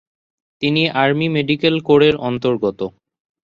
তিনি army medical কোরের অন্তর্গত।